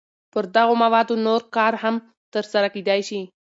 پر دغو موادو نور کار هم تر سره کېدای شي.